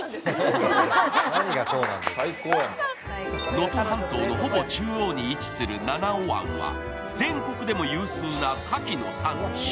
能登半島のほぼ中央に位置する七尾湾は全国でも有数なかきの産地。